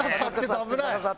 危ない。